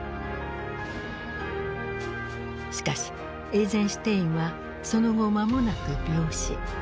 しかしエイゼンシュテインはその後間もなく病死。